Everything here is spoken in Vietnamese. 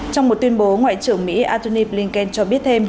trong một tuyên bố ngoại trưởng mỹ antony blinken cho biết thêm